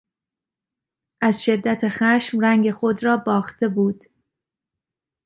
از شدت خشم رنگ خود را باخته بود.